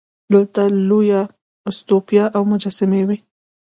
دلته لویه استوپا او مجسمې وې